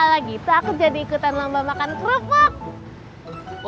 kalau gitu aku jadi ikutan lomba makan trufok